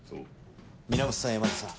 源さん山田さん。